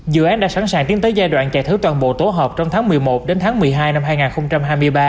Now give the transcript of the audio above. dự án đã sẵn sàng tiến tới giai đoạn chạy thử toàn bộ tổ hợp trong tháng một mươi một đến tháng một mươi hai năm hai nghìn hai mươi ba